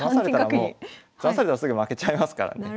詰まされたらすぐ負けちゃいますからね。